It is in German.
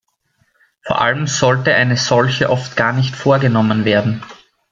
Vor allem sollte eine solche oft gar nicht vorgenommen werden.